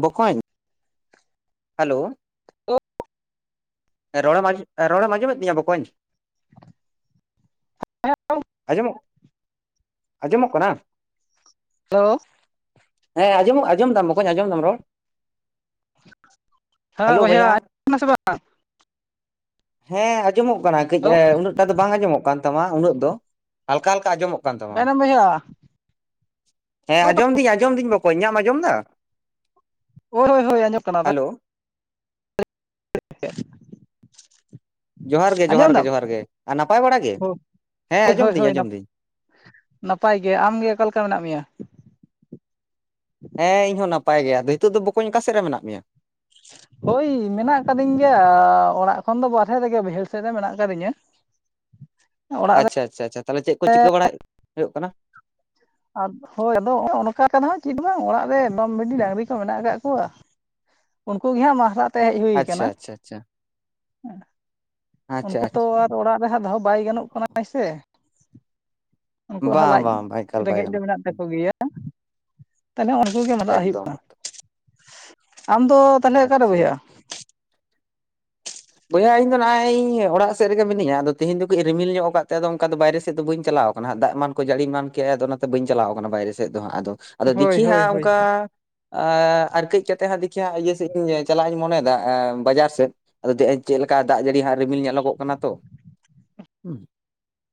ᱵᱚᱠᱚᱧ [inaudible] ᱦᱮᱞᱳ ᱨᱚᱲ ᱮᱢ ᱟᱡᱚᱢ ᱨᱚᱲᱮᱢ ᱟᱸᱡᱚᱢᱮᱫ ᱛᱤᱧᱟᱹ ᱵᱚᱠᱚᱧ? ᱟᱸᱡᱚᱢᱚᱜ ᱟᱸᱡᱚᱢᱚᱜ ᱠᱟᱱᱟ ᱦᱮᱞᱳ ᱦᱮᱸ ᱟᱸᱡᱚᱢ ᱟᱸᱡᱚᱢ ᱫᱟᱢ ᱵᱚᱠᱚᱧ ᱟᱸᱡᱚᱢ ᱫᱟᱢ ᱨᱚᱲ ᱦᱮᱸ ᱵᱚᱭᱦᱟ [unintelligible] ᱵᱟᱝ ᱦᱮᱸ ᱟᱸᱡᱚᱢᱚᱜ ᱠᱟᱱᱟ ᱠᱟᱹᱡᱽ ᱦᱮᱞᱳ ᱮᱸ ᱩᱱᱟᱹᱜ ᱴᱟ ᱫᱚ ᱵᱟᱝ ᱟᱸᱡᱚᱢᱚᱜ ᱠᱟᱱ ᱛᱟᱢᱟ ᱩᱱᱟᱹᱜ ᱫᱚ ᱦᱟᱞᱠᱟ ᱦᱟᱞᱠᱟ ᱟᱸᱡᱚᱢᱚᱜ ᱠᱟᱱᱟ᱾ ᱠᱟᱱ ᱛᱟᱢᱟ ᱚᱠᱟᱭᱱᱟᱢ ᱵᱚᱭᱦᱟ ᱦᱮᱸ ᱟᱸᱡᱚᱢᱚᱜ ᱠᱟᱱᱟ? ᱟᱸᱡᱚᱢ ᱫᱤᱧ ᱟᱸᱡᱚᱢ ᱫᱤ ᱵᱚᱠᱚᱧ, ᱤᱧᱟᱹᱜ ᱮᱢ ᱫᱟ? ᱦᱳᱭ ᱦᱳᱭ ᱦᱳᱭ ᱟᱸᱡᱚᱢᱚᱜ ᱠᱟᱱᱟ ᱫᱟ ᱦᱮᱞᱳ [unintelligible] ᱡᱚᱦᱟᱨ ᱜᱮ ᱟᱸᱡᱚᱢ ᱡᱚᱦᱟᱨ ᱜᱮ ᱫᱟᱢ ᱡᱚᱦᱟᱨ ᱜᱮ ᱟᱨ ᱱᱟᱯᱟᱭ ᱵᱟᱲᱟ ᱜᱮ ᱦᱮᱸ ᱦᱳᱭ ᱟᱸᱡᱚᱢ ᱦᱳᱭ ᱫᱤᱧ ᱦᱳᱭ ᱟᱸᱡᱚᱢ ᱫᱟᱹᱧ ᱱᱟᱯᱟᱭ ᱜᱮ ᱟᱢ ᱜᱮ ᱚᱠᱟ ᱞᱮᱠᱟ ᱢᱮᱱᱟᱜ ᱢᱮᱭᱟ? ᱦᱮᱸ ᱤᱧ ᱦᱚᱸ ᱱᱟᱯᱟᱭ ᱜᱮ ᱟᱫᱚ ᱱᱤᱛᱳᱜ ᱫᱚ ᱵᱚᱠᱚᱧ ᱚᱠᱟ ᱥᱮᱫ ᱨᱮ ᱢᱮᱱᱟᱜ ᱢᱮᱭᱟ? [inaudible] ᱳᱭ ᱢᱮᱱᱟᱜ ᱟᱠᱟᱫᱤᱧ ᱜᱮᱭᱟ ᱚᱲᱟᱜ ᱠᱷᱚᱱ ᱫᱚ ᱵᱟᱨᱦᱮ ᱨᱮᱜᱮ ᱵᱟᱹᱭᱦᱟᱹᱲ ᱥᱮᱫ ᱨᱮ ᱢᱮᱱᱟᱜ ᱠᱟᱫᱤᱧᱟᱹ ᱟᱪᱪᱷᱟ ᱟᱪᱪᱷᱟ ᱟᱪᱷᱟ ᱛᱟᱦᱚᱞᱮ ᱪᱮᱫ ᱠᱚ ᱪᱤᱠᱟᱹ ᱵᱟᱲᱟᱭ ᱦᱩᱭᱩᱜ ᱠᱟᱱᱟ? ᱟ ᱦᱳᱭ ᱟᱫᱚ ᱱᱚᱜ-ᱚ ᱚᱱᱠᱟ ᱠᱟᱱᱟ ᱪᱮᱫ ᱵᱟᱝ ᱚᱲᱟᱜ ᱨᱮ ᱢᱮᱨᱚᱢ ᱵᱷᱤᱰᱤ ᱰᱟᱝᱨᱤ ᱠᱚ ᱢᱮᱱᱟᱜ ᱟᱠᱟᱫ ᱠᱚᱣᱟ᱾ ᱩᱱᱠᱩ ᱜᱮ ᱦᱟᱸᱜ [unintelligible] ᱟᱪᱪᱷᱟ ᱟᱠᱟᱱᱟ ᱟᱪᱪᱷᱟ ᱟᱪᱪᱷᱟ ᱟᱪᱪᱷᱟ ᱩᱱᱠᱩ ᱛᱚ ᱟᱪᱪᱷᱟ ᱟᱨ ᱚᱲᱟᱜ ᱨᱮ ᱦᱟᱸᱜ ᱫᱚᱦᱚ ᱵᱟᱭ ᱜᱟᱱᱚᱜ ᱠᱟᱱᱟ ᱦᱳᱭ ᱥᱮ ᱩᱱᱠᱩ ᱦᱟ ᱵᱟᱝ ᱞᱟᱡ ᱵᱟᱝ ᱵᱟᱝ ᱮᱠᱟᱞ ᱵᱟᱭ ᱨᱮᱸᱜᱮᱡ ᱫᱚ ᱜᱟᱱᱚᱜ ᱢᱮᱱᱟᱜ ᱛᱟᱠᱚ ᱜᱮᱭᱟ ᱛᱟᱦᱚᱞᱮ ᱩᱱᱠᱩ ᱜᱮ ᱢᱟᱞᱟᱜ ᱦᱩᱭᱩᱜ ᱮᱠᱫᱚᱢ ᱠᱟᱱᱟ, ᱮᱠᱫᱚᱢ, ᱟᱢᱫᱚ ᱛᱟᱦᱚᱞᱮ ᱚᱠᱟᱨᱮ ᱟᱪᱪᱷᱟ ᱵᱚᱭᱦᱟ? ᱵᱚᱭᱦᱟ ᱤᱧ ᱫᱚ ᱱᱟᱜ-ᱟᱭ ᱤᱧ ᱚᱲᱟᱜ ᱥᱮᱫ ᱨᱮᱜᱮ ᱢᱤᱱᱤᱧᱟ ᱟᱫᱚ ᱛᱮᱦᱮᱧ ᱫᱚ ᱠᱟᱹᱡᱽ ᱨᱤᱢᱤᱞ ᱧᱚᱜ ᱟᱠᱟᱫ ᱛᱮ ᱟᱫᱚ ᱚᱱᱠᱟ ᱫᱚ ᱵᱟᱭᱨᱮ ᱥᱮᱫ ᱫᱚ ᱵᱟᱹᱧ ᱪᱟᱞᱟᱣ ᱚᱱᱟ ᱫᱟᱜ ᱮᱢᱟᱱ ᱠᱚ ᱡᱟᱹᱲᱤ ᱮᱢᱟᱱ ᱠᱮᱫᱼᱟ ᱟᱫᱚ ᱚᱱᱟᱛᱮ ᱵᱟᱹᱧ ᱪᱟᱞᱟᱣ ᱠᱟᱱᱟ ᱵᱟᱭᱨᱮ ᱥᱮᱫ ᱫᱚ ᱦᱟᱸᱜ ᱟᱫᱚ ᱟᱫᱚ ᱦᱳᱭ ᱫᱤᱠᱷᱤ ᱦᱳᱭ ᱦᱟᱸᱜ ᱦᱳᱭ ᱚᱱᱠᱟ ᱟᱨ ᱠᱟᱹᱡᱽ ᱠᱟᱛᱮ ᱦᱟᱸᱜ ᱫᱤᱠᱷᱤ ᱦᱟᱸᱜ ᱤᱭᱟᱹ ᱥᱮᱫ ᱤᱧ ᱪᱟᱞᱟᱜ ᱤᱧ ᱢᱚᱱᱮᱭᱮᱫᱟ ᱮᱸ ᱵᱟᱡᱟᱨ ᱥᱮᱫ ᱟᱫᱚ ᱪᱮᱫ ᱞᱮᱠᱟ ᱫᱟᱜ ᱡᱟᱹᱲᱤ ᱦᱟᱸᱜ ᱨᱤᱢᱤᱞ ᱧᱮᱞᱚᱜᱚᱜ ᱠᱟᱱᱟ ᱛᱚ, ᱦᱩᱸ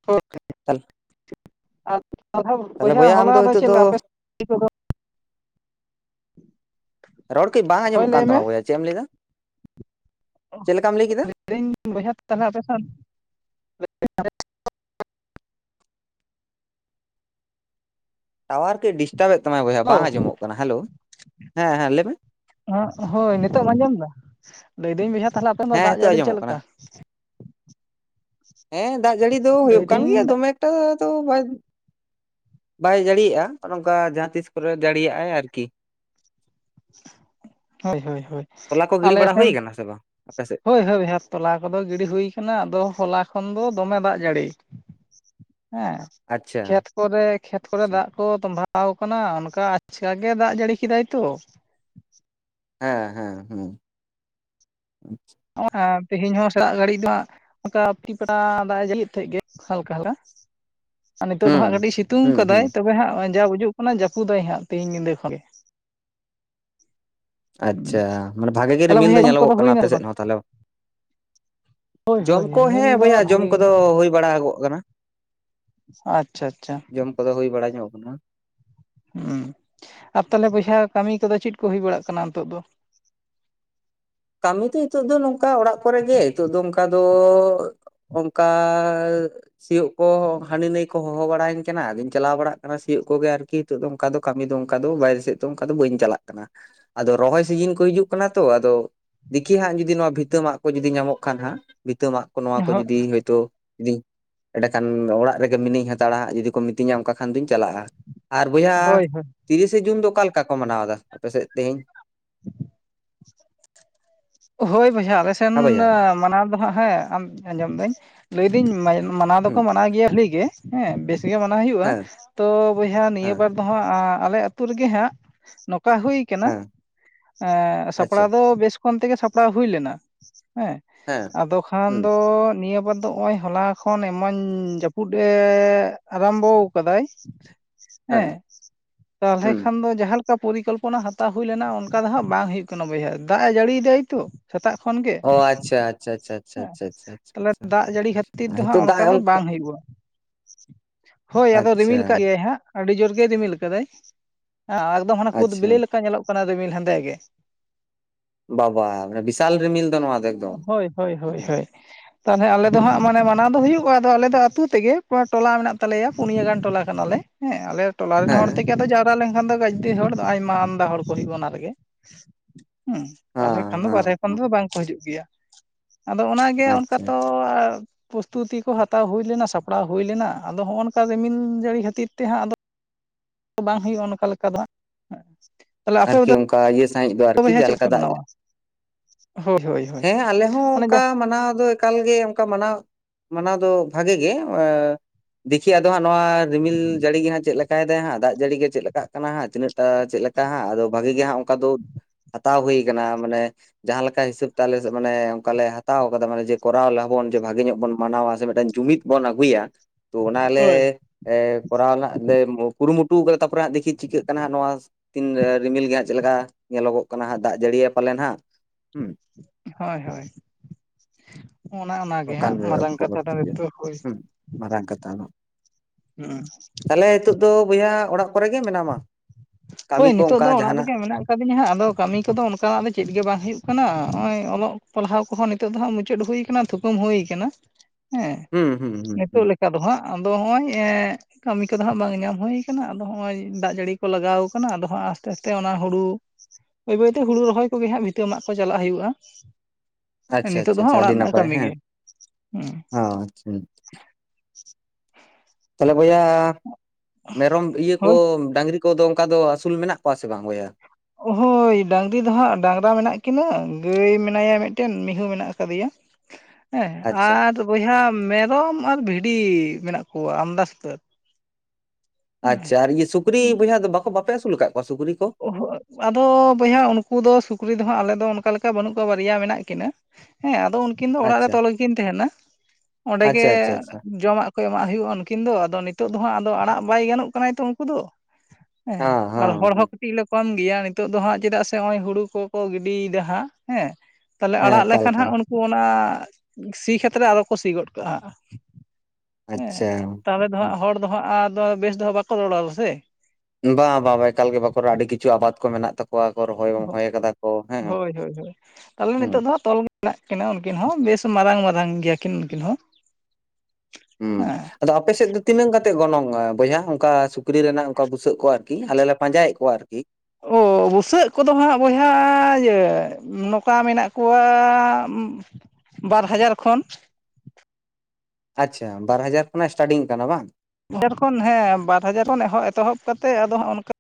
[unintelligible] ᱵᱚᱭᱦᱟ ᱦᱚᱞᱟ ᱫᱚ ᱪᱮᱫ ᱞᱮᱠᱟ ᱟᱯᱮ? [unintelligible] ᱨᱚᱲ ᱠᱟᱹᱡᱽ ᱵᱟᱝ ᱦᱳᱭ ᱟᱸᱡᱚᱢᱚᱜ ᱞᱟᱹᱭ ᱠᱟᱱ ᱢᱮ ᱛᱟᱢᱟ ᱵᱚᱭᱦᱟ ᱪᱮᱫ ᱮᱢ ᱞᱟᱹᱭ ᱫᱟ ᱪᱮᱫ ᱞᱮᱠᱟᱢ ᱞᱟᱹᱭ ᱠᱮᱫᱟ? [unintelligible] ᱞᱟᱹᱭ ᱫᱤᱧ ᱵᱚᱭᱦᱟ ᱛᱟᱞᱟ ᱨᱮ ᱥᱟᱵᱽ ᱴᱟᱣᱟᱨ ᱠᱟᱹᱡ ᱰᱤᱥᱴᱟᱵ ᱮᱫ ᱛᱟᱢᱟᱭ ᱵᱚᱭᱦᱟ ᱵᱟᱝ ᱦᱮᱞᱳ ᱟᱸᱡᱚᱢᱚᱜ ᱠᱟᱱᱟ ᱦᱮᱞᱳ ᱦᱮᱸ ᱦᱮᱸ ᱞᱟᱹᱭ ᱢᱮ। ᱦᱳᱭ ᱱᱤᱛᱚᱜ ᱟᱸᱡᱚᱢ ᱫᱟ ᱞᱟᱹᱭᱫᱟᱹᱧ ᱵᱚᱭᱦᱟ ᱛᱟᱦᱚᱞᱮ [unintelligible] ᱟᱯᱮᱥᱮᱱ ᱫᱚ ᱦᱮᱸ ᱫᱟᱜ ᱱᱤᱛᱚᱜ ᱡᱟᱹᱲᱤ ᱪᱮᱫ ᱟᱸᱡᱚᱢᱚᱜ ᱠᱟᱱᱟ ᱞᱮᱠᱟ। ᱦᱮᱸ ᱫᱟᱜ ᱡᱟᱹᱲᱤ ᱫᱚ ᱦᱩᱭᱩᱜ ᱠᱟᱱ ᱜᱮᱭᱟ ᱞᱟᱹᱭᱫᱟᱹᱧ ᱫᱚᱢᱮ ᱮᱠᱴᱟ ᱫᱚ ᱵᱟᱭᱼᱼ ᱵᱟᱭ ᱡᱟᱲᱤᱭᱮᱜᱼᱟ ᱚᱝᱠᱟ ᱡᱟᱦᱟᱸ ᱛᱤᱥ ᱠᱚᱨᱮ ᱡᱟᱲᱤᱭᱟᱜᱼᱟᱭ ᱟᱨᱠᱤ। ᱦᱳᱭ ᱦᱳᱭ ᱦᱳᱭ, ᱛᱚᱞᱟ ᱠᱚ ᱜᱤᱰᱤ ᱟᱞᱮ ᱵᱟᱲᱟ ᱦᱩᱭ ᱥᱮᱱ ᱠᱟᱱᱟ ᱥᱮ ᱵᱟᱝ ᱟᱯᱮ ᱥᱮᱫ ᱦᱳᱭ ᱦᱳᱭ ᱦᱳᱭ। ᱛᱚᱞᱟ ᱠᱚᱫᱚ ᱜᱤᱰᱤ ᱦᱩᱭ ᱠᱟᱱᱟ ᱟᱫᱚ ᱦᱚᱞᱟ ᱠᱷᱚᱱ ᱫᱚ ᱫᱚᱢᱮ ᱫᱟᱜ ᱡᱟᱹᱲᱤ ᱦᱮᱸ। ᱟᱪᱪᱷᱟ ᱠᱷᱮᱛ ᱠᱚᱨᱮ ᱠᱷᱮᱛ ᱠᱚᱨᱮ ᱟᱪᱪᱷᱟ ᱫᱟᱜᱼᱼ ᱠᱚ ᱛᱚᱢᱵᱷᱟᱣ ᱠᱟᱱᱟ ᱚᱱᱠᱟ ᱟᱪᱠᱟ ᱜᱮ ᱫᱟᱜ ᱡᱟᱹᱲᱤ ᱠᱮᱫᱟᱭ ᱛᱚ। ᱦᱮᱸ ᱦᱮᱸ ᱦᱮᱸ। ᱚ ᱟ ᱛᱮᱦᱮᱧ ᱦᱚᱸ [unintelligible] ᱥᱟᱨᱟᱜᱷᱟᱹᱲᱤᱡ ᱫᱚ ᱦᱟᱸᱜᱼᱼ ᱚᱱᱠᱟ ᱯᱤ ᱯᱮᱲᱟ ᱫᱟᱜ ᱡᱟᱹᱲᱤᱭᱮᱫ ᱛᱟᱦᱮᱸ ᱜᱮ ᱦᱟᱞᱠᱟ ᱦᱟᱞᱠᱟ ᱟᱨ ᱱᱤᱛᱳᱜ ᱫᱚ ᱦᱟᱸᱜ ᱦᱩᱸ ᱠᱟᱹᱴᱤᱡ ᱥᱤᱛᱩᱝ ᱦᱩᱸ ᱦᱩᱸ ᱠᱟᱫᱟᱭ ᱛᱚᱵᱮ ᱦᱟᱸᱜ ᱡᱟ ᱵᱩᱡᱩᱜ ᱠᱟᱱᱟ ᱡᱟᱹᱯᱩᱫᱟᱭ ᱦᱟᱸᱜ ᱛᱮᱦᱤᱧ ᱧᱤᱫᱟᱹ ᱠᱷᱚᱱ ᱜᱮ ᱟᱪᱪᱷᱟ ᱦᱩᱸ ᱢᱟᱱᱮ ᱵᱷᱟᱜᱮ ᱜᱮ ᱛᱟᱦᱚᱞᱮ ᱨᱤᱢᱤᱞ ᱵᱚᱭᱦᱟ ᱫᱚ ᱡᱚᱢ ᱠᱚᱫᱚ ᱧᱮᱞᱚᱜᱚᱜ ᱠᱟᱱᱟ ᱦᱩᱭᱱᱟ ᱟᱯᱮ ᱥᱮ ᱥᱮᱫ ᱵᱟᱝ ᱦᱚᱸ ᱛᱟᱦᱚᱞᱮ ᱦᱳᱭ ᱡᱚᱢ ᱦᱳᱭ ᱠᱚ ᱨᱤᱢᱤᱞ ᱦᱮᱸ ᱫᱚ ᱵᱚᱭᱦᱟ ᱡᱚᱢ ᱵᱷᱟᱜᱤ ᱠᱚᱫᱚ ᱜᱮ ᱦᱩᱭ ᱵᱟᱲᱟ ᱜᱚᱜ ᱠᱟᱱᱟ। ᱟᱪᱪᱷᱟ ᱟᱪᱪᱷᱟ। ᱡᱚᱢ ᱠᱚᱫᱚ ᱦᱩᱭ ᱵᱟᱲᱟ ᱧᱚᱜ ᱠᱟᱱᱟ। ᱦᱩᱸ ᱟᱨ ᱛᱟᱦᱚᱞᱮ ᱵᱚᱭᱦᱟ ᱠᱟᱹᱢᱤ ᱠᱚᱫᱚ ᱪᱮᱫ ᱠᱚ ᱦᱩᱭ ᱵᱟᱲᱟᱜ ᱠᱟᱱᱟ ᱱᱤᱛᱚᱜ ᱫᱚ। ᱠᱟᱹᱢᱤ ᱫᱚ ᱱᱤᱛᱚᱜ ᱫᱚ ᱱᱚᱝᱠᱟ ᱚᱲᱟᱜ ᱠᱚᱨᱮ ᱜᱮ ᱱᱤᱛᱚᱜ ᱫᱚ ᱚᱱᱠᱟ ᱫᱚᱼᱼ ᱚᱱᱠᱟᱼᱼ ᱥᱤᱭᱳᱜ ᱠᱚ ᱦᱟᱱᱤ ᱱᱟᱹᱭ ᱠᱚ ᱦᱚᱦᱚ ᱵᱟᱲᱟ ᱟᱹᱧ ᱠᱟᱱᱟ ᱟᱫᱚᱧ ᱪᱟᱞᱟᱣ ᱵᱟᱲᱟᱜ ᱠᱟᱱᱟ ᱥᱤᱭᱳᱜ ᱠᱚᱜᱮ ᱟᱨᱠᱤ। ᱱᱤᱛᱚᱜ ᱫᱚ ᱚᱱᱠᱟ ᱫᱚ ᱠᱟᱹᱢᱤ ᱫᱚ ᱚᱱᱠᱟ ᱫᱚ ᱵᱟᱭᱨᱮ ᱥᱮᱫ ᱫᱚ ᱚᱱᱠᱟ ᱫᱚ ᱵᱟᱹᱧ ᱪᱟᱞᱟᱜ ᱠᱟᱱᱟ। ᱟᱫᱚ ᱨᱚᱦᱚᱭ ᱥᱤᱡᱤᱱ ᱠᱚ ᱦᱤᱡᱩᱜ ᱠᱟᱱᱟ ᱛᱚ ᱟᱫᱚᱼᱼ ᱫᱤᱠᱤ ᱦᱟᱸᱜ ᱡᱩᱫᱤ ᱱᱚᱣᱟ ᱵᱷᱤᱛᱟᱹᱢᱟᱜ ᱠᱚ ᱡᱩᱫᱤ ᱧᱟᱢᱚᱜ ᱠᱷᱟᱱ ᱦᱟᱸᱜ ᱵᱷᱤᱛᱟᱹᱢᱟᱜ ᱠᱚ ᱱᱚᱣᱟ ᱠᱚ ᱦᱳ ᱡᱩᱫᱤ ᱦᱚᱭᱛᱳᱼᱼ ᱡᱩᱫᱤ ᱮᱸᱰᱮᱠᱷᱟᱱ ᱚᱲᱟᱜ ᱨᱮᱜᱮ ᱢᱤᱱᱟᱹᱧ ᱦᱟᱛᱟᱲᱟ ᱡᱩᱫᱤ ᱠᱚ ᱢᱤᱛᱟᱹᱧᱟ ᱚᱱᱠᱟ ᱠᱷᱟᱱ ᱫᱩᱧ ᱪᱟᱞᱟᱜᱼᱟ। ᱟᱨ ᱵᱚᱭᱦᱟ ᱦᱳᱭ ᱦᱳᱭ ᱛᱤᱨᱤᱥᱮ ᱡᱩᱱ ᱫᱚ ᱚᱠᱟ ᱞᱮᱠᱟ ᱠᱚ ᱢᱟᱱᱟᱣ ᱫᱟ ᱟᱯᱮᱥᱮᱫ ᱛᱮᱦᱤᱧ। ᱦᱳᱭ ᱵᱚᱭᱦᱟ ᱟᱞᱮ ᱥᱮᱱᱼᱼ ᱦᱮᱸ ᱵᱚᱭᱦᱟ ᱢᱟᱱᱟᱣ ᱫᱚ ᱦᱟᱸᱜ ᱦᱮᱸ ᱟᱸᱡᱚᱢᱫᱟᱹᱧ ᱞᱟᱹᱭᱫᱤᱧ ᱢᱟᱱᱟᱣ ᱫᱚᱠᱚ ᱦᱩᱸ ᱢᱟᱱᱟᱣ ᱜᱮᱭᱟ ᱵᱷᱟᱞᱤ ᱜᱮ। ᱦᱮᱸ ᱵᱮᱥ ᱜᱮ ᱢᱟᱱᱟᱣ ᱦᱩᱭᱩᱜᱼᱟ ᱦᱮᱸ ᱛᱚ ᱵᱚᱭᱦᱟ ᱱᱤᱭᱟᱹ ᱦᱮᱸ ᱵᱟᱨᱼᱼ ᱛᱚᱦᱟᱸᱜ ᱟᱞᱮ ᱟᱛᱳ ᱨᱮᱜᱮ ᱦᱟᱸᱜ ᱱᱚᱝᱠᱟ ᱦᱩᱭ ᱠᱟᱱᱟ ᱦᱮᱸ ᱥᱟᱯᱲᱟᱣ ᱟᱪᱪᱷᱟ ᱫᱚ ᱠᱚ ᱵᱮᱥ ᱠᱚᱱᱛᱮᱜᱮ ᱥᱟᱯᱲᱟᱣ ᱦᱩᱭ ᱞᱮᱱᱟ। ᱦᱮᱸ ᱦᱮᱸ ᱟᱫᱚ ᱠᱷᱟᱱ ᱦᱩᱸ ᱫᱚ ᱱᱤᱭᱟᱹ ᱵᱟᱨ ᱫᱚ ᱱᱚᱜᱚᱭ। ᱦᱚᱞᱟ ᱠᱷᱚᱱ ᱮᱢᱚᱱ ᱡᱟᱹᱯᱩᱫ ᱮ ᱟᱨᱟᱢᱵᱚ ᱠᱟᱫᱟᱭᱼᱼ ᱦᱮᱸ ᱛᱟᱦᱚᱞᱮ ᱦᱩᱸ ᱠᱷᱟᱱ ᱫᱚ ᱡᱟᱦᱟᱸᱞᱮᱠᱟ ᱯᱚᱨᱤᱠᱚᱞᱯᱚᱱᱟ ᱦᱟᱛᱟᱣ ᱦᱩᱭ ᱞᱮᱱᱟ ᱚᱱᱠᱟ ᱫᱚ ᱦᱟᱸᱜ ᱵᱟᱝ ᱦᱩᱭᱩᱜ ᱠᱚᱱᱳ ᱵᱚᱭᱦᱟ ᱫᱟᱜ ᱮ ᱡᱟᱹᱲᱤᱭ ᱫᱟᱭ ᱛᱚ। ᱥᱮᱛᱟᱜ ᱠᱷᱚᱱ ᱜᱮ ᱚ ᱟᱪᱪᱷᱟ ᱟᱪᱪᱷᱟ ᱟᱪᱪᱷᱟ ᱟᱪᱪᱷᱟ ᱦᱮᱸ ᱟᱪᱪᱷᱟ ᱟᱪᱪᱷᱟ ᱛᱟᱦᱚᱞᱮ ᱟᱪᱪᱷᱟ ᱫᱟᱜ ᱡᱟᱹᱲᱤ ᱠᱷᱟᱹᱛᱤᱨ ᱫᱚ ᱦᱟᱜ ᱱᱤᱛᱚᱜ ᱚᱱᱠᱟ ᱫᱟᱜ ᱫᱚ ᱵᱟᱝ ᱦᱩᱭᱩᱜᱼᱟ। ᱦᱳᱭ ᱟᱫᱚ ᱟᱪᱪᱷᱟ ᱨᱤᱢᱤᱞ ᱠᱟᱜ ᱜᱮᱭᱟᱭ ᱦᱟᱸᱜ। ᱟᱹᱰᱤ ᱡᱳᱨ ᱜᱮᱭ ᱨᱤᱢᱤᱞ ᱠᱟᱫᱟᱭ ᱮᱠᱫᱚᱢ ᱦᱟᱱᱮ ᱠᱩᱫ ᱵᱤᱞᱤ ᱟᱪᱪᱷᱟ ᱞᱮᱠᱟ ᱧᱮᱞᱚᱜ ᱠᱟᱱᱟ ᱨᱤᱢᱤᱞ ᱦᱮᱸᱫᱮ ᱜᱮ। ᱵᱟᱵᱟ ᱨᱮ ᱵᱤᱥᱟᱞ ᱨᱤᱢᱤᱞ ᱫᱚ ᱱᱚᱣᱟ ᱫᱚ। ᱮᱠᱫᱚᱢ ᱦᱳᱭ ᱦᱳᱭ ᱦᱳᱭ ᱦᱮᱸ ᱦᱳᱭ। ᱛᱟᱦᱚᱞᱮ ᱟᱞᱮ ᱫᱚ ᱦᱟᱸᱜ ᱢᱟᱱᱮ ᱢᱟᱱᱟᱣ ᱫᱚ ᱦᱩᱭᱩᱜᱼᱟ ᱟᱫᱚ ᱟᱞᱮ ᱫᱚ ᱟᱹᱛᱩ ᱛᱮᱜᱮ ᱴᱚᱞᱟ ᱢᱮᱱᱟᱜ ᱛᱟᱞᱮᱭᱟ ᱯᱩᱱᱭᱟ ᱜᱟᱱ ᱴᱚᱞᱟ ᱠᱟᱱᱟᱞᱮ। ᱦᱮᱸ ᱟᱞᱮ ᱴᱚᱞᱟ ᱨᱮᱱ ᱦᱮᱸ ᱦᱚᱲ ᱛᱮᱜᱮ ᱟᱫᱚ ᱡᱟᱣᱨᱟ ᱞᱮᱱᱠᱷᱟᱱ ᱫᱚ ᱜᱟᱡᱽᱫᱮ ᱦᱚᱲ ᱫᱚ ᱟᱭᱢᱟ ᱟᱢᱫᱟ ᱦᱚᱲ ᱠᱚ ᱦᱩᱭᱩᱜᱼᱟ ᱚᱱᱟ ᱨᱮᱜᱮ। ᱦᱮᱸ ᱛᱟᱦᱞᱮ ᱠᱷᱟᱱ ᱫᱚ ᱵᱟᱦᱨᱮ ᱠᱷᱚᱱ ᱫᱚ ᱵᱟᱝ ᱠᱚ ᱦᱤᱡᱩᱜ ᱜᱮᱭᱟ। ᱟᱫᱚ ᱚᱱᱟᱜᱮ ᱚᱱᱠᱟ ᱟᱪᱪᱷᱟ ᱛᱚᱼᱼ ᱟᱪᱪᱷᱟ ᱯᱩᱥᱛᱩᱛᱤ ᱠᱚ ᱦᱟᱛᱟᱣ ᱦᱩᱭ ᱞᱮᱱᱟ ᱥᱟᱯᱲᱟᱣ ᱦᱩᱭ ᱞᱮᱱᱟ ᱟᱫᱚ ᱦᱚᱸᱜᱼᱚ ᱱᱚᱝᱠᱟ ᱨᱤᱢᱤᱞ ᱡᱟᱹᱲᱤ ᱠᱷᱟᱹᱛᱤᱨ ᱛᱮ ᱦᱟᱸᱜ ᱟᱫᱚ ᱵᱟᱝ ᱦᱩᱭᱩᱜᱼᱟ ᱚᱱᱠᱟ ᱞᱮᱠᱟ ᱫᱚ ᱦᱟᱸᱜ ᱛᱟᱦᱚᱞᱮ ᱟᱯᱮ ᱠᱚᱫᱚᱼᱼ ᱠᱟ ᱤᱭᱟᱹ ᱥᱟᱺᱦᱤᱡ ᱫᱚ ᱟᱨᱠᱤ ᱡᱟᱞᱮᱠᱟ ᱫᱟᱜ ᱠᱮᱫᱟ। ᱦᱳᱭ ᱦᱳᱭ ᱦᱳᱭ। ᱦᱮᱸ ᱟᱞᱮ ᱦᱚᱸ ᱚᱱᱮ ᱚᱱᱠᱟ ᱡᱟ ᱢᱟᱱᱟᱣ ᱫᱚ ᱮᱠᱟᱞ ᱜᱮᱼᱼ ᱚᱱᱠᱟ ᱢᱟᱱᱟᱣ ᱢᱟᱱᱟᱣ ᱫᱚ ᱵᱷᱟᱜᱮ ᱫᱤᱠᱷᱤ ᱟᱫᱚ ᱦᱟᱸᱜ ᱱᱚᱣᱟ ᱨᱤᱢᱤᱞ ᱡᱟᱹᱲᱤ ᱜᱮ ᱦᱟᱸᱜ ᱪᱮᱫ ᱞᱮᱠᱟᱭ ᱫᱟᱭ ᱦᱟᱸᱜ ᱫᱟᱜ ᱡᱟᱹᱲᱤ ᱜᱮ ᱪᱮᱫᱠᱟᱜ ᱠᱟᱱᱟ ᱛᱤᱱᱟᱹᱜ ᱴᱟᱜ ᱪᱮᱫ ᱠᱟ ᱦᱟᱜ ᱟᱫᱚ ᱵᱷᱟᱜᱤ ᱜᱮ ᱦᱟᱸᱜ ᱚᱱᱠᱟ ᱫᱚ ᱦᱟᱛᱟᱣ ᱦᱩᱭ ᱠᱟᱱᱟ ᱢᱟᱱᱮ ᱡᱟᱦᱟᱸ ᱞᱮᱠᱟ ᱦᱤᱥᱟᱹᱵ ᱛᱮ ᱟᱞᱮ ᱢᱟᱱᱮ ᱚᱱᱠᱟ ᱞᱮ ᱦᱟᱛᱟᱣ ᱠᱟᱫᱟ ᱢᱟᱱᱮ ᱡᱮ ᱠᱚᱨᱟᱣ ᱞᱮᱵᱚᱱ ᱡᱮ ᱵᱷᱟᱜᱮ ᱧᱚᱜ ᱵᱚᱱ ᱢᱟᱱᱟᱣᱟ ᱥᱮ ᱢᱤᱫᱴᱮᱱ ᱡᱩᱢᱤᱫ ᱵᱚᱱ ᱟᱹᱜᱩᱭᱟ ᱛᱚ ᱚᱱᱟᱞᱮ ᱦᱳᱭ ᱮ ᱠᱚᱨᱟᱣ ᱞᱟ ᱫᱮ ᱠᱩᱨᱩᱢᱩᱴᱩ ᱟᱠᱟᱫᱟ ᱛᱟᱯᱚᱨᱮ ᱦᱟᱸᱜ ᱫᱮᱠᱷᱤ ᱪᱤᱠᱟᱹᱜ ᱠᱟᱱᱟ ᱦᱟᱸᱜ ᱱᱚᱣᱟ ᱛᱤᱱ ᱨᱤᱢᱤᱞ ᱜᱮ ᱦᱟᱸ᱾ ᱪᱮᱫᱮ ᱞᱮᱠᱟ ᱧᱮᱞᱚᱜᱚᱜ ᱠᱟᱱᱟᱜ ᱷᱟ ᱫᱟᱜ ᱡᱟᱹᱲᱤᱭᱟ ᱯᱟᱞᱮᱱ ᱱᱟᱜ᱾ ᱦᱩᱸ ᱦᱳᱭ ᱦᱳᱭ ᱚᱱᱮ ᱚᱱᱟᱜᱮ ᱚᱱᱠᱟᱱ ᱦᱟᱜ ᱢᱟᱨᱟᱝ ᱠᱷᱚᱵᱚᱨ ᱠᱟᱛᱷᱟ ᱫᱚ ᱱᱤᱛ ᱤᱭᱟᱹ [inaudible] ᱦᱩᱸ ᱢᱟᱨᱟᱝ ᱦᱮᱸ ᱛᱟᱦᱞᱮ ᱱᱤᱛᱚᱜ ᱫᱚ ᱵᱚᱭᱦᱟ ᱚᱲᱟᱜ ᱠᱚᱨᱮᱜᱴ ᱜᱮ ᱢᱮᱱᱟᱢᱟᱹ ᱾ ᱦᱳᱭ ᱱᱤᱛᱳᱜ ᱫᱚ ᱚᱲᱟᱜ ᱨᱮᱜᱮ ᱢᱮᱱᱟᱜ ᱜᱮ ᱠᱟᱫᱤᱧᱟ ᱦᱟᱸᱜ ᱟᱫᱚ ᱠᱟᱹᱢᱤ ᱠᱚᱫᱚ ᱚᱱᱠᱟᱱᱟᱜ ᱫᱚ ᱪᱮᱫ ᱜᱮ ᱵᱟᱝ ᱦᱩᱭᱩᱜ ᱠᱟᱱᱟ ᱱᱚᱜ ᱚᱭ ᱚᱞᱚᱜ ᱯᱟᱲᱦᱟᱣ ᱦᱚᱸ ᱱᱤᱛᱚᱜ ᱫᱚ ᱦᱟᱸᱜ ᱢᱩᱪᱟᱹᱫ ᱦᱩᱭ ᱠᱟᱱᱟ ᱛᱷᱩᱠᱟᱹᱢ ᱦᱩᱭ ᱠᱟᱱᱟ ᱦᱮᱸ ᱦᱩᱸ ᱦᱩᱸ ᱦᱩᱸ ᱦᱩᱸ ᱱᱤᱛᱚᱜ ᱞᱮᱠᱟ ᱠᱟ ᱫᱚ ᱦᱟᱸᱜ ᱟᱫᱚ ᱱᱚᱜᱼᱚᱭ ᱠᱟᱹᱢᱤ ᱠᱚᱫᱚ ᱦᱟᱸᱜ ᱵᱟᱝ ᱧᱟᱢ ᱦᱩᱭᱩ ᱠᱟᱱᱟ ᱟᱫᱚ ᱦᱚᱸᱜᱼᱚᱭ ᱫᱟᱜ ᱡᱟᱹᱲᱤᱼᱼ ᱠᱚ ᱞᱟᱜᱟᱣ ᱠᱟᱱᱟ ᱟᱫᱚ ᱦᱟᱸᱜ ᱟᱥᱛᱮ ᱟᱥᱛᱮ ᱚᱱᱟ ᱦᱩᱲᱩᱼᱼ ᱵᱟᱹᱭ ᱵᱟᱹᱭᱛᱮ ᱦᱩᱲᱩ ᱨᱚᱦᱚᱭ ᱠᱚᱜᱮ ᱦᱟᱸᱜ ᱵᱷᱤᱛᱟᱹ ᱢᱟᱜ ᱠᱚ ᱪᱟᱞᱟᱜ ᱦᱩᱭᱩᱜᱼᱟ᱾ ᱟᱪᱪᱷᱟ ᱱᱤᱛᱚᱜ ᱟᱪᱪᱷᱟ ᱟᱪᱪᱷᱟ ᱫᱚᱦᱟᱜ ᱚᱲᱟᱜ ᱨᱮᱱᱟᱜ ᱠᱟᱹᱢᱤ ᱜᱮ ᱦᱮᱸ ᱷᱟ [unintelligible] ᱛᱟᱦᱚᱞᱮ ᱵᱚᱭᱦᱟ ᱢᱮᱨᱚᱢ ᱤᱭᱟᱹ ᱠᱚ ᱦᱳᱭ ᱰᱟᱝᱨᱤ ᱠᱚᱫᱚ ᱚᱱᱠᱟ ᱫᱚ ᱟᱹᱥᱩᱞ ᱢᱮᱱᱟᱜ ᱠᱚᱣᱟ ᱥᱮ ᱵᱟᱝ ᱵᱚᱭᱦᱟ᱾ ᱦᱳᱭ ᱰᱟᱝᱨᱤ ᱫᱚ ᱦᱟᱸᱜ ᱰᱟᱝᱨᱟ ᱢᱮᱱᱟᱜ ᱠᱤᱱᱟᱹ ᱜᱟᱹᱭ ᱢᱮᱱᱟᱭᱟ ᱢᱤᱫᱴᱮᱱ ᱢᱤᱦᱩ ᱢᱮᱱᱟᱜ ᱟᱠᱟᱫᱮᱭᱟ᱾ ᱦᱮᱸ ᱟᱪᱪᱷᱟ ᱟᱨ ᱵᱚᱭᱦᱟ ᱢᱮᱨᱚᱢ ᱟᱨ ᱵᱷᱤᱰᱤ ᱢᱮᱱᱟᱜ ᱠᱚᱣᱟ ᱟᱢᱫᱟ ᱥᱩᱛᱟᱹᱨ ᱦᱮᱸ ᱟᱪᱪᱷᱟ ᱟᱨ ᱤᱭᱟᱹ ᱥᱩᱠᱨᱤ ᱵᱚᱭᱦᱟ ᱫᱚ ᱵᱟᱠᱚ ᱵᱟᱯᱮ ᱟᱹᱥᱩᱞ ᱟᱠᱟᱫ ᱠᱚᱣᱟ ᱥᱩᱠᱨᱤ ᱠᱚ? ᱟᱫᱚ ᱵᱚᱭᱦᱟ ᱩᱱᱠᱩ ᱫᱚ ᱥᱩᱠᱨᱤ ᱫᱚᱦᱟᱸᱜ ᱟᱞᱮ ᱫᱚ ᱚᱱᱠᱟ ᱞᱮᱠᱟ ᱵᱟᱹᱱᱩᱜ ᱠᱚᱣᱟ ᱵᱟᱨᱭᱟ ᱢᱮᱱᱟᱜ ᱠᱤᱱᱟᱹ᱾ ᱦᱮᱸ ᱟᱫᱚ ᱩᱱᱠᱤᱱ ᱫᱚ ᱚᱲᱟᱜ ᱨᱮ ᱟᱪᱪᱷᱟ ᱛᱚᱞᱠᱤᱱ ᱛᱟᱦᱮᱱᱟ ᱚᱸᱰᱮ ᱜᱮ ᱟᱪᱪᱷᱟ ᱟᱪᱪᱷᱟ ᱟᱪᱪᱷᱟ ᱡᱚᱢᱟᱜ ᱠᱚ ᱮᱢᱟᱜ ᱦᱩᱭᱩᱜᱼᱟ ᱩᱱᱠᱤᱱ ᱫᱚ ᱟᱫᱚ ᱱᱤᱛᱚᱜ ᱫᱚ ᱦᱟᱜ ᱟᱫᱚ ᱟᱲᱟᱜ ᱵᱟᱭ ᱜᱟᱱᱚᱜ ᱠᱟᱱᱟᱭ ᱛᱚ ᱩᱱᱠᱩ ᱫᱚ᱾ ᱦᱮᱸ ᱟᱨ ᱦᱚᱲ ᱦᱚᱸᱠ ᱠᱚᱢ ᱜᱮᱭᱟ ᱱᱤᱛᱚᱜ ᱫᱚ ᱦᱟᱸᱜ ᱪᱮᱫᱟᱜ ᱥᱮ ᱱᱚᱜ-ᱚᱭ ᱦᱩᱲᱩ ᱠᱚᱠᱚ ᱜᱤᱰᱤᱭᱮᱫᱟ ᱦᱟᱸᱜ᱾ ᱦᱮᱸ ᱛᱟᱦᱚᱞᱮ ᱦᱮᱸ ᱟᱲᱟᱜ ᱮᱠᱟᱞ ᱞᱮᱠᱷᱟᱱ ᱮᱠᱟᱞ ᱦᱟᱸᱜ ᱚᱱᱟ ᱥᱤ ᱠᱷᱮᱛᱨᱮ ᱟᱨᱚ ᱠᱚ ᱥᱤ ᱜᱚᱫ ᱠᱟᱜᱼᱟ ᱦᱟᱸᱜ᱾ ᱦᱮᱸ ᱟᱪᱪᱷᱟ ᱛᱟᱦᱚᱞᱮ ᱫᱚ ᱦᱟᱸᱜ ᱦᱚᱲ ᱫᱚ ᱦᱟᱸᱜ ᱟᱫᱚ ᱵᱮᱥ ᱫᱚ ᱦᱟᱸᱜ ᱵᱟᱠᱚ ᱨᱚᱲᱟᱫᱟ ᱥᱮ᱾ ᱵᱟᱝ ᱵᱟᱝ ᱮᱠᱟᱞ ᱜᱮ ᱵᱟᱠᱷᱟᱨᱮ ᱟᱹᱰᱤ ᱠᱤᱪᱷᱩ ᱟᱵᱟᱫ ᱠᱚ ᱢᱮᱱᱟᱜ ᱛᱟᱠᱚᱣᱟ ᱾ ᱠᱚ ᱠᱚ ᱨᱚᱦᱚᱸ ᱦᱳᱭ ᱢᱚᱦᱚᱭ ᱠᱟᱫᱟ ᱦᱳᱭ ᱦᱳᱭ ᱛᱟᱦᱚᱞᱮ ᱦᱩᱸ ᱱᱤᱛᱚᱜ ᱫᱚ ᱦᱟᱸᱜ ᱛᱚᱞ ᱢᱮᱱᱟᱜ ᱠᱤᱱᱟᱹ ᱩᱱᱠᱤᱱ ᱦᱚᱸ ᱵᱮᱥ ᱢᱟᱨᱟᱝ ᱢᱟᱨᱟᱝ ᱜᱮᱭᱟᱠᱤᱱ ᱩᱱᱠᱤᱱ ᱦᱚᱸ ᱦᱩᱸ ᱦᱮᱸ ᱟᱫᱚ ᱟᱯᱮᱥᱮᱫ ᱫᱚ ᱛᱤᱱᱟᱹᱜ ᱠᱟᱛᱮᱫ ᱜᱚᱱᱚᱝᱼᱟ ᱵᱚᱭᱦᱟ ᱚᱱᱠᱟ ᱥᱩᱠᱨᱤ ᱨᱮᱱᱟᱜ ᱚᱱᱠᱟ ᱵᱩᱥᱟᱹᱜ ᱠᱚᱣᱟ ᱟᱨᱠᱤ ᱟᱞᱮᱞᱮ ᱞᱮ ᱯᱟᱸᱡᱟᱭᱮᱫ ᱠᱚᱣᱟ ᱟᱨᱠᱤ ᱚ ᱵᱩᱥᱟᱹᱜ ᱠᱚᱫᱚ ᱦᱟᱸᱜ ᱵᱚᱭᱦᱟ ᱤᱭᱟᱹ ᱱᱚᱠᱟ ᱢᱮᱱᱟᱜ ᱠᱚᱣᱟ ᱵᱟᱨ ᱦᱟᱡᱟᱨ ᱠᱷᱚᱱ ᱟᱪᱪᱷᱟ ᱵᱟᱨ ᱦᱟᱡᱟᱨ ᱠᱷᱚᱱᱟᱜ ᱥᱴᱟᱴᱤᱝ ᱠᱟᱱᱟ ᱵᱟᱝ? ᱦᱟᱡᱟᱨ ᱠᱷᱚᱱ ᱦᱮᱸ ᱵᱟᱨ ᱦᱟᱡᱟᱨ ᱠᱷᱚᱱ ᱮᱦᱚᱵ ᱮᱛᱚᱦᱚᱵ ᱠᱟᱛᱮᱫ ᱟᱫᱚ ᱦᱚᱸ ᱚᱱᱠᱟ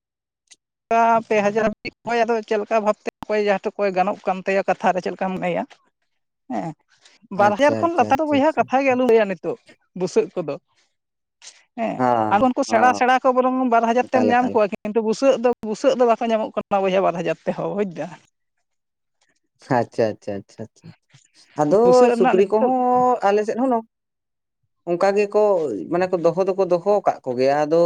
ᱠᱟ ᱯᱮ ᱦᱟᱡᱟᱨᱤᱡ ᱚᱠᱚᱭ ᱟᱫᱚ ᱪᱮᱫ ᱞᱮᱠᱟ ᱵᱷᱟᱵᱽᱛᱮ ᱚᱠᱚᱭ ᱡᱟᱦᱟᱸ ᱚᱠᱚᱭ ᱜᱟᱱᱚᱜ ᱠᱟᱱ ᱛᱟᱭᱟ ᱠᱟᱛᱷᱟ ᱨᱮ ᱪᱮᱫ ᱞᱮᱠᱟ ᱢᱮᱱᱟᱭᱟ᱾ ᱦᱮᱸ ᱵᱟᱨ ᱟᱪᱪᱷᱟ ᱦᱟᱡᱟᱨ ᱠᱷᱚᱱ ᱟᱪᱪᱷᱟ ᱞᱟᱛᱟᱨ ᱫᱚ ᱟᱪᱪᱷᱟ ᱵᱚᱭᱦᱟ ᱟᱪᱪᱷᱟ ᱠᱟᱛᱷᱟ ᱜᱮ ᱟᱪᱪᱷᱟ ᱟᱞᱩ ᱞᱟᱹᱭ-ᱟ᱾ ᱛᱚ ᱵᱩᱥᱟᱹᱜ ᱠᱚᱫᱚ᱾ ᱦᱮᱸ ᱦᱟᱸ ᱟᱫᱚ ᱩᱱᱠᱩ ᱥᱮᱬᱟ ᱦᱚᱸ ᱥᱮᱬᱟ ᱠᱚ ᱵᱚᱨᱚᱝ ᱵᱟᱨ ᱦᱟᱡᱟᱨ ᱛᱮᱢ ᱮᱠᱟᱞ ᱧᱟᱢ ᱮᱠᱟᱞ ᱠᱚᱣᱟ ᱠᱤᱱᱛᱩ ᱵᱩᱥᱟᱹᱜ ᱫᱚ᱾ ᱵᱩᱥᱟᱹᱜ ᱫᱚ ᱵᱟᱠᱚ ᱧᱟᱢᱚᱜ ᱠᱟᱱᱟ ᱵᱟᱨ ᱦᱟᱡᱟᱨ ᱛᱮᱦᱚᱸ ᱵᱩᱡᱽ ᱮᱫᱟ ᱟᱪᱪᱷᱟ ᱟᱪᱪᱷᱟ ᱟᱪᱪᱷᱟ ᱟᱫᱚ ᱵᱩᱥᱟᱹᱜ ᱨᱮᱱᱟᱜ ᱥᱩᱠᱨᱤ ᱱᱤᱛᱚᱜ ᱠᱚᱦᱚᱸ ᱟᱞᱮ ᱥᱮᱫ ᱦᱚᱸ ᱱᱚ ᱚᱱᱠᱟ ᱜᱮᱠᱚ ᱢᱟᱱᱮ ᱠᱚ ᱫᱚᱦᱚ ᱫᱚᱠᱚ ᱫᱚᱦᱚ ᱟᱠᱟᱫ ᱠᱚᱜᱮᱭᱟ ᱟᱫᱚ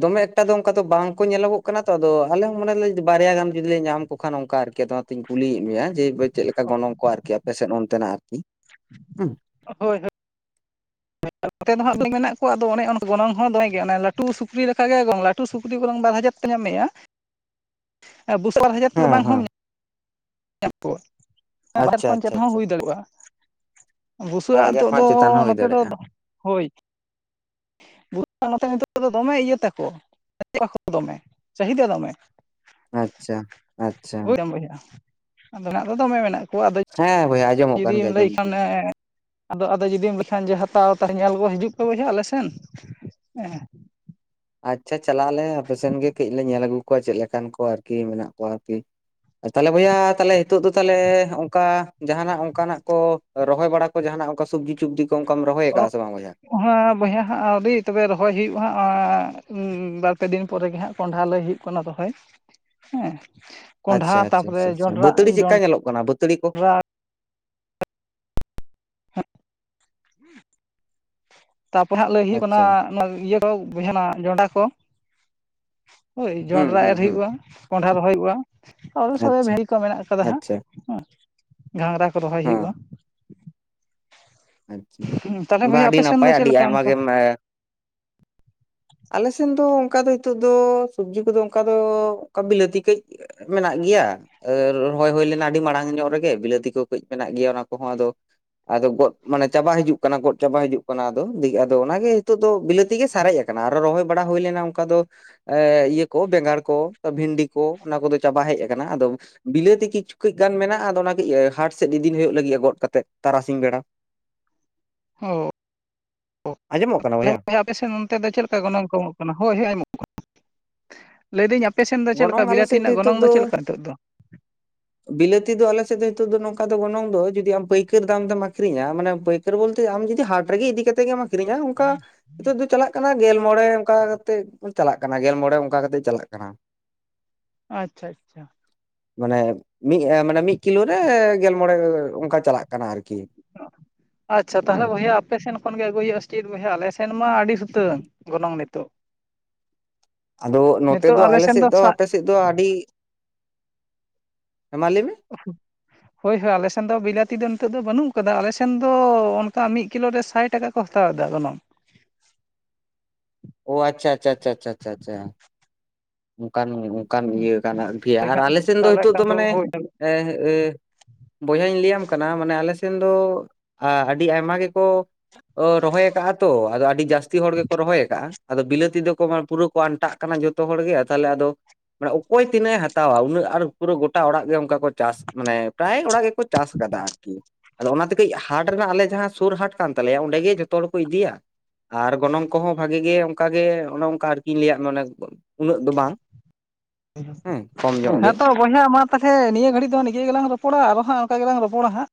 ᱫᱚᱢᱮ ᱮᱠᱴᱟ ᱫᱚ ᱚᱱᱠᱟ ᱫᱚ ᱵᱟᱝᱠᱚ ᱧᱮᱞᱚᱜᱚᱜ ᱠᱟᱱᱟ ᱛᱚ ᱟᱫᱚ ᱟᱞᱮ ᱦᱚ ᱢᱚᱱᱮ ᱞᱮ ᱵᱟᱨᱭᱟ ᱜᱟᱱ ᱡᱩᱫᱤ ᱞᱮ ᱧᱟᱢ ᱠᱳᱠᱷᱟᱱ ᱚᱱᱠᱟ ᱟᱨ ᱠᱤ ᱚᱱᱟᱛᱤᱧ ᱠᱩᱞᱤᱭᱮᱫ ᱢᱮᱭᱟ ᱡᱮ ᱪᱮᱫ ᱞᱮᱠᱟ ᱜᱚᱱᱚᱝ ᱠᱚ ᱟᱨᱠᱤ ᱟᱯᱮᱥᱮᱫ ᱚᱱᱛᱮᱱᱟᱜ ᱟᱨᱠᱤ ᱦᱩ ᱦᱳᱭ ᱦᱳ [inaudible] ᱢᱮᱱᱟᱜ ᱠᱚᱣᱟ ᱟᱫᱚ ᱚᱱᱮ ᱜᱚᱱᱚᱝ ᱦᱚ ᱫᱚᱢᱮ ᱜᱮ ᱚᱱᱮ ᱞᱟᱴᱩ ᱥᱩᱠᱨᱤ ᱞᱮᱠᱟ ᱜᱮ ᱮᱜᱚᱝ ᱞᱟᱴᱩ ᱥᱩᱠᱨᱤ ᱵᱚᱨᱚᱝ ᱵᱟᱨ ᱦᱟᱡᱟᱨ ᱧᱟᱢᱮᱭᱟ [unintelligible] ᱦᱮᱸ ᱵᱟᱝᱦᱚᱢ ᱦᱮᱸ ᱮ ᱯᱚ ᱟᱪᱪᱷᱟ ᱟᱪᱪᱷᱟ [unintelligible] ᱟᱪᱪᱷᱟ ᱦᱩᱭ ᱫᱟᱲᱩᱜᱼᱟ ᱵᱩᱥᱟᱹᱜ ᱵᱟᱨ ᱟᱜ ᱦᱟᱡᱟᱨ ᱱᱤᱛᱚᱜ ᱫᱚ ᱠᱷᱚᱱᱟᱜ ᱪᱮᱛᱟᱱ ᱦᱚᱸ ᱦᱩᱭ ᱱᱚᱛᱮ ᱫᱟᱲᱮᱭᱟᱜᱼᱟ ᱫᱚ ᱦᱳᱭ [unintelligible] ᱫᱚᱢᱮ ᱤᱭᱟᱹ ᱛᱟᱠᱚ [unintelligible] ᱪᱟᱹᱦᱤᱫᱟ ᱫᱚᱢᱮ ᱟᱪᱪᱷᱟ ᱟᱪᱪᱷᱟ ᱵᱩᱪᱟᱢ ᱵᱩᱡᱷᱟᱹᱜᱼᱟ, ᱟᱫᱚ ᱱᱟᱜ ᱫᱚ ᱫᱚᱢᱮ ᱢᱮᱱᱟᱜ ᱠᱚᱣᱟ ᱟᱫᱚ ᱦᱮ ᱵᱚᱭᱟᱡ ᱡᱩᱫᱤᱢ ᱞᱟᱹᱭ ᱠᱷᱟᱱ ᱮ ᱟᱫᱚ ᱟᱫᱚ ᱡᱩᱫᱤᱢ ᱵᱟᱠᱷᱟᱱ ᱦᱟᱛᱣᱟ ᱛᱟᱦᱚᱞᱮ ᱧᱮᱞ ᱜᱚ ᱦᱤᱡᱩᱜ ᱯᱮ ᱵᱚᱡ ᱟᱞᱮᱥᱮᱱ ᱦᱮᱸ ᱟᱪᱪᱷᱟ ᱪᱟᱞᱟᱜ ᱟᱞᱮ ᱟᱯᱮᱥᱮᱱ ᱜᱮ ᱠᱟᱹᱡ ᱞᱮ ᱧᱮᱞ ᱟᱹᱜᱩ ᱠᱚᱣᱟ ᱪᱮᱫ ᱞᱮᱠᱟᱱ ᱠᱚ ᱟᱨᱠᱤ ᱢᱮᱱᱟᱜ ᱠᱚᱣᱟ ᱟᱨᱠᱤ᱾ ᱛᱟᱦᱚᱞᱮ ᱵᱚᱭᱦᱟ ᱛᱟᱦᱚᱞᱮ ᱱᱤᱛᱚᱜ ᱫᱚ ᱛᱟᱦᱚᱞᱮ ᱚᱱᱠᱟ ᱡᱟᱦᱟᱱᱟᱜ ᱚᱱᱠᱟᱱᱟᱜ ᱠᱚ ᱨᱚᱦᱚᱭ ᱵᱟᱲᱟ ᱠᱚ ᱡᱟᱦᱟᱱᱟᱜ ᱚᱱᱠᱟ ᱥᱚᱵᱡᱤ ᱪᱚᱵᱡᱤ ᱠᱚ ᱚᱱᱠᱟᱢ ᱨᱚᱦᱚᱭ ᱟᱠᱟᱫᱼᱟ ᱥᱮ ᱵᱟᱝ ᱵᱚᱭᱦᱟ᱾ ᱦᱟ ᱵᱚᱭᱦᱟ ᱦᱟᱸᱜ ᱟᱹᱣᱨᱤ ᱛᱚᱵᱮ ᱨᱚᱦᱚᱭ ᱦᱩᱭᱩᱜ ᱦᱟᱜ ᱵᱟᱨᱯᱮ ᱫᱤᱱ ᱯᱚᱨᱮᱜᱮ ᱦᱟᱸᱜ ᱠᱚᱸᱰᱷᱟ ᱞᱟᱹᱭ ᱦᱩᱭᱩᱜ ᱠᱟᱱᱟ ᱫᱚᱦᱚᱭ ᱦᱮ ᱟᱪᱪᱷᱟ ᱟᱪᱪᱷᱟ ᱟᱪᱪᱷᱟ ᱵᱟᱹᱛᱟᱲᱤ ᱪᱮᱫᱠᱟ ᱧᱮᱞᱚᱜ ᱠᱟᱱᱟ ᱵᱟᱹᱛᱟᱲᱤ ᱠᱳ ᱡᱚᱱᱰᱨᱟ ᱛᱟᱯᱚ ᱦᱟᱸᱜ ᱞᱟᱹᱭ ᱦᱩᱭᱩᱜ ᱟᱪᱪᱷᱟ ᱠᱟᱱᱟ [unintelligible] ᱡᱚᱰᱟ ᱠᱚ ᱦᱳᱭ ᱦᱩᱸ ᱡᱚᱱᱰᱨᱟ ᱦᱩᱸ ᱮᱨ ᱦᱩᱸ ᱦᱩᱭᱩᱜᱼᱟ ᱠᱚᱰᱷᱟ ᱨᱚᱦᱚᱭ ᱦᱩᱭᱩᱜᱼᱟ ᱟᱨ [unintelligible] ᱟᱪᱪᱷᱟ ᱵᱷᱤᱲᱤ ᱠᱚ ᱢᱮᱱᱟᱜ ᱠᱟᱫᱟ ᱦᱟᱸᱜ ᱟᱪᱪᱷᱟ ᱦᱮ ᱜᱷᱟᱝᱜᱨᱟ ᱠᱚ ᱨᱚᱦᱚᱭ ᱦᱮᱸ ᱦᱩᱭᱩᱜᱼᱟ ᱟᱪᱪᱷᱟ ᱦᱩ ᱛᱟᱦᱞᱮ ᱵᱟ ᱵᱚᱭᱦᱟ ᱟᱹᱰᱤ ᱟᱯᱮ ᱥᱮᱱ ᱫᱚ ᱱᱟᱯᱟᱭ ᱪᱮᱫ ᱟᱹᱰᱤ ᱞᱮᱠᱟ ᱟᱭᱢᱟ ᱚᱱᱠᱟ ᱜᱮᱢ ᱟᱞᱮᱥᱮᱱ ᱫᱚ ᱚᱱᱠᱟ ᱫᱚ ᱱᱤᱛᱚᱜ ᱫᱚ ᱥᱚᱵᱽᱡᱤ ᱠᱚᱫᱚ ᱚᱱᱠᱟ ᱫᱚ ᱚᱱᱠᱟ ᱵᱤᱞᱟᱹᱛᱤ ᱠᱟᱹᱡ ᱢᱮᱱᱟᱜ ᱜᱮᱭᱟ ᱨᱚᱦᱚᱭ ᱦᱩᱭ ᱞᱮᱱᱟ ᱟᱹᱰᱤ ᱢᱟᱲᱟᱝ ᱧᱚᱜ ᱨᱮᱜᱮ ᱵᱤᱞᱟᱹᱛᱤ ᱠᱚ ᱠᱟᱹᱡ ᱢᱮᱱᱟᱜ ᱜᱮᱭᱟ ᱚᱱᱟ ᱠᱚᱦᱚ ᱟᱫᱚ ᱟᱫᱚ ᱜᱚᱫ ᱢᱟᱱᱮ ᱪᱟᱵᱟ ᱦᱤᱡᱩᱜ ᱠᱟᱱᱟ ᱜᱚᱫ ᱪᱟᱵᱟ ᱦᱤᱡᱩᱜ ᱠᱟᱱᱟ ᱟᱫᱚ ᱟᱫᱚ ᱚᱱᱟᱜᱮ ᱱᱤᱛᱚᱜ ᱫᱚ ᱵᱤᱞᱟᱹᱛᱤ ᱜᱮ ᱥᱟᱨᱮᱡ ᱟᱠᱟᱱᱟ ᱠᱟᱱᱟ ᱟᱨᱚ ᱨᱚᱦᱚᱭ ᱵᱟᱲᱟ ᱦᱩᱭ ᱞᱮᱱᱟ ᱚᱱᱠᱟ ᱫᱚ ᱮ ᱤᱭᱟᱹ ᱠᱚ ᱵᱮᱸᱜᱟᱲ ᱠᱚ ᱵᱷᱤᱱᱰᱤ ᱠᱚ ᱚᱱᱟ ᱠᱚᱫᱚ ᱪᱟᱵᱟ ᱦᱮᱡ ᱟᱠᱟᱱᱟ ᱟᱫᱚ ᱵᱤᱞᱟᱹᱛᱤ ᱠᱤᱪᱷᱩ ᱠᱟᱹᱡ ᱜᱟᱱ ᱢᱮᱱᱟᱜᱼᱟ ᱟᱫᱚ ᱚᱱᱟ ᱤᱭᱟ ᱦᱟᱴ ᱥᱮᱫ ᱤᱫᱤᱱ ᱦᱩᱭᱩᱜ ᱞᱟᱹᱜᱤᱫ ᱜᱚᱫ ᱠᱟᱛᱮᱜ ᱛᱟᱨᱟᱥᱤᱧ ᱵᱮᱲᱟ ᱦᱳ ᱟᱸᱡᱚᱢᱚᱜ ᱠᱟᱱᱟ ᱵᱚᱭᱦᱟ [unintelligible] ᱯᱮᱥᱮᱱ ᱚᱱᱛᱮ ᱫᱚ ᱪᱮᱫ ᱞᱮᱠᱟ ᱜᱚᱱᱚᱝ ᱠᱚ ᱮᱢᱚᱜ ᱠᱟᱱᱟ ᱦᱳᱭ ᱦᱮ [unintelligible] ᱞᱟᱹᱭ ᱫᱟᱹᱧ ᱟᱯᱮ ᱥᱮᱱ ᱫᱚ ᱪᱮᱫ ᱜᱚᱱᱚᱝ ᱞᱮᱠᱟ ᱟᱞᱮ ᱵᱤᱞᱟᱹᱛᱤ ᱥᱮᱫ ᱨᱮᱱᱟᱜ ᱱᱤᱛᱚᱜ ᱜᱚᱱᱚᱝ ᱫᱚ ᱪᱮᱫ ᱞᱮᱠᱟ ᱱᱤᱛᱚᱜ ᱫᱚ ᱵᱤᱞᱟᱹᱛᱤ ᱫᱚ ᱟᱞᱮ ᱥᱮᱫ ᱫᱚ ᱱᱤᱛᱚᱜ ᱫᱚ ᱱᱚᱝᱠᱟ ᱫᱚ ᱜᱚᱱᱚᱝ ᱫᱚ ᱡᱩᱫᱤ ᱟᱢ ᱯᱟᱹᱭᱠᱟᱹᱨ ᱫᱟᱢ ᱛᱮᱢ ᱟᱹᱷᱨᱤᱧᱟ ᱢᱟᱱᱮ ᱯᱟᱭ ᱵᱚᱞᱛᱮ ᱟᱢ ᱡᱩᱫᱤ ᱦᱟᱴ ᱨᱮᱜᱮ ᱤᱫᱤ ᱠᱟᱛᱮᱜ ᱜᱮᱢ ᱟᱹᱠᱷᱤᱧᱟ ᱚᱱᱠᱟ ᱱᱤᱛᱚᱜ ᱫᱚ ᱪᱟᱞᱟᱜ ᱠᱟᱱᱟ ᱜᱮᱞ ᱢᱚᱬᱮ ᱚᱱᱠᱟ ᱠᱟᱛᱮᱫ ᱠᱩ ᱪᱟᱞᱟᱜ ᱠᱟᱱᱟ ᱜᱮᱞ ᱢᱚᱬᱮ ᱚᱱᱠᱟ ᱠᱟᱛᱮᱜ ᱪᱟᱞᱟᱜ ᱠᱟᱱᱟ ᱟᱪᱪᱷᱟ ᱟᱪᱪᱷᱟ ᱢᱟᱱᱮ ᱢᱤᱫ ᱮ ᱢᱟᱱᱮ ᱢᱤᱫ ᱠᱤᱞᱳ ᱨᱮ ᱜᱮᱞ ᱢᱚᱬᱮ ᱚᱱᱠᱟ ᱪᱟᱞᱟᱜ ᱠᱟᱱᱟ ᱟᱨᱠᱤ ᱟᱪᱪᱷᱟ ᱛᱟᱦᱚᱞᱮ ᱦᱮᱸ ᱵᱚᱭᱦᱟ ᱟᱯᱮᱥᱮᱫ ᱠᱷᱚᱱᱜᱮ ᱟᱹᱜᱩᱭ ᱦᱩᱭᱩᱜᱼᱟ ᱥᱮ ᱪᱮᱫ ᱵᱚᱭᱦᱟ ᱟᱞᱮᱥᱱ ᱢᱟ ᱟᱹᱰᱤ ᱥᱩᱛᱟᱹᱝ ᱜᱚᱱᱚᱝ ᱱᱤᱛᱳᱜ ᱟᱫᱚ ᱱᱚᱛᱮ ᱱᱤᱛᱚᱜ ᱫᱚ ᱟᱞᱮ ᱥᱮᱱ ᱟᱞᱮᱥᱮᱫ ᱫᱚ ᱥᱟᱜ ᱟᱯᱮᱥᱮᱫ ᱫᱚ ᱟᱹᱰᱤ ᱦᱮ ᱢᱟ ᱞᱟᱹᱭ ᱢᱮ [inaudible] ᱦᱳᱭ ᱦᱳᱭ ᱟᱞᱮᱥᱮᱱ ᱫᱚ ᱵᱤᱞᱟᱹᱛᱤ ᱫᱚ ᱱᱤᱛᱚᱜ ᱫᱚ ᱵᱟᱹᱱᱩᱜ ᱠᱟᱫᱟ ᱟᱞᱮᱥᱮᱱ ᱫᱚ ᱚᱱᱠᱟ ᱢᱤᱫ ᱠᱤᱞᱳ ᱨᱮ ᱥᱟᱭ ᱴᱟᱠᱟ ᱠᱚ ᱦᱟᱛᱟᱣ ᱫᱟ ᱜᱚᱱᱚᱢ ᱚ ᱟᱪᱷᱟ ᱟᱪᱷᱟ ᱪᱷᱟ ᱪᱷᱟ ᱪᱷᱟ ᱪᱷᱟ ᱚᱱᱠᱟᱱ ᱚᱱᱠᱟᱱ ᱦᱩᱸ ᱤᱭᱟᱹ ᱠᱟᱱᱟ ᱯᱷᱤᱨ ᱟᱨ ᱟᱞᱮ ᱥᱮᱱ ᱫᱚ ᱛᱟᱦᱚᱞᱮ ᱱᱤᱛᱚᱜ ᱠᱷᱟᱱ ᱫᱚ ᱢᱟᱱᱮ ᱦᱳᱭ ᱮ ᱮ ᱵᱚᱭᱦᱟᱧ ᱞᱟᱹᱭᱟᱢ ᱠᱟᱱᱟ ᱢᱟᱱᱮ ᱟᱞᱮ ᱥᱮᱱ ᱫᱚ ᱟᱹᱰᱤ ᱟᱭᱢᱟ ᱜᱮᱠᱚ ᱚ ᱨᱚᱦᱚᱭᱠᱟ ᱛᱚ ᱟᱫᱚ ᱟᱹᱰᱤ ᱡᱟᱹᱥᱛᱤ ᱦᱚᱲ ᱜᱮᱠᱚ ᱨᱚᱦᱚᱭ ᱟᱠᱟᱜᱼᱟ ᱟᱫᱚ ᱵᱤᱞᱟᱹᱛᱤ ᱫᱚᱠᱚ ᱯᱩᱨᱟᱹ ᱠᱚ ᱟᱱᱴᱟᱜ ᱠᱟᱱᱟ ᱡᱚᱛᱚ ᱦᱚᱲ ᱜᱮ᱾ ᱛᱟᱦᱚᱞᱮ ᱟᱫᱚ ᱢᱟᱱᱮ ᱚᱠᱚᱭ ᱛᱤᱱᱟᱹᱜ ᱮ ᱦᱟᱛᱟᱣᱟ ᱩᱱᱟᱹᱜ ᱟᱨ ᱯᱩᱨᱟᱹ ᱜᱚᱴᱟ ᱚᱲᱟᱜ ᱜᱮ ᱚᱱᱠᱟ ᱠᱚ ᱪᱟᱥ ᱢᱟᱱᱮ ᱯᱨᱟᱭ ᱚᱲᱟᱜ ᱜᱮᱠᱚ ᱪᱟᱥ ᱟᱠᱟᱫᱟ ᱟᱨᱠᱤ᱾ ᱟᱫᱚ ᱚᱱᱟᱛᱮ ᱠᱟᱹᱡ ᱦᱟᱴ ᱨᱮᱱᱟᱜ ᱟᱞᱮ ᱡᱟᱦᱟᱸ ᱥᱩᱨ ᱦᱟᱴ ᱠᱟᱱ ᱛᱟᱞᱮᱭᱟ ᱚᱸᱰᱮᱜᱮ ᱡᱚᱛᱚ ᱦᱚᱲ ᱠᱚ ᱤᱫᱤᱭᱟ᱾ ᱟᱨ ᱜᱚᱱᱚᱝ ᱠᱚᱦᱚᱸ ᱵᱷᱟᱜᱤ ᱜᱮ ᱚᱱᱠᱟᱜ ᱜᱮ ᱚᱱᱮ ᱚᱱᱠᱟ ᱟᱨᱠᱤᱧ ᱞᱟᱹᱭᱟᱫ ᱢᱮ ᱚᱱᱮ ᱩᱱᱟᱹᱜ ᱫᱚ ᱵᱟᱝ ᱦᱮᱸ ᱠᱚᱢ ᱧᱚᱜ ᱜᱮ ᱦᱮᱸ ᱛᱚ ᱵᱚᱭᱦᱟᱸ ᱢᱟ ᱛᱟᱦᱚᱞᱮ ᱱᱤᱭᱟᱹ ᱜᱷᱟᱹᱲᱤᱡ ᱫᱚ ᱱᱤᱡ ᱜᱮᱞᱟᱝ ᱨᱚᱚᱲᱟ ᱟᱨᱦᱟᱜ ᱚᱱᱠᱟ ᱜᱮᱞᱟᱝ ᱨᱚᱚᱲᱟ ᱦᱟᱜ᱾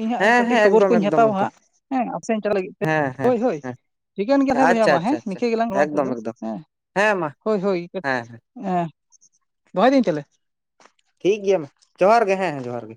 ᱤᱧ ᱦᱟᱸᱜ ᱦᱮᱸ ᱠᱟᱹᱴᱤᱡ ᱦᱮᱸ ᱠᱷᱚᱵᱚᱨ ᱮᱠᱫᱚᱢ ᱠᱚᱧ ᱮᱠᱫᱚᱢ ᱦᱟᱛᱟᱣᱟ ᱮᱠᱫᱚᱢ ᱦᱟᱸᱜ ᱦᱮᱸ ᱟᱥᱮᱱ ᱪᱟᱞ ᱞᱟᱹᱜᱤᱫ ᱛᱮ ᱦᱮᱸ ᱦᱮᱸ ᱦᱳᱭ ᱦᱳᱭ᱾ ᱦᱮᱸ ᱴᱷᱤᱠᱟᱹᱱ ᱜᱮᱭᱟ ᱛᱟᱦᱞᱮ ᱵᱚᱭᱦᱟ ᱟᱪᱪᱷᱟ ᱢᱟ ᱟᱪᱪᱷᱟ ᱦᱮᱸ ᱟᱪᱪᱷᱟ ᱱᱤᱝᱠᱟᱹ ᱜᱮᱞᱟᱝ ᱨᱚᱲᱟ ᱱᱤᱛᱚᱜ ᱮᱠᱫᱚᱢ ᱫᱚ ᱮᱠᱫᱚᱢ ᱦᱮᱸ ᱦᱮᱸ ᱢᱟ ᱦᱳᱭ ᱦᱳᱭ᱾ ᱦᱮᱸ ᱫᱚᱦᱚᱭᱮᱫᱟᱹᱧ ᱛᱟᱦᱚᱞᱮ? ᱴᱷᱤᱠ ᱜᱮᱭᱟ ᱢᱟ ᱡᱚᱦᱟᱨ ᱜᱮ ᱦᱮᱸ ᱦᱮᱸ ᱡᱚᱦᱟᱨᱜ ᱜᱮ᱾